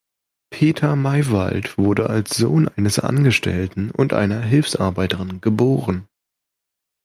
Peter Maiwald wurde als Sohn eines Angestellten und einer Hilfsarbeiterin geboren.